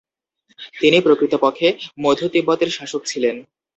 তিনি প্রকৃতপক্ষে মধ্য তিব্বতের শাসক ছিলেন।